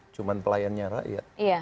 cuma pelayannya rakyat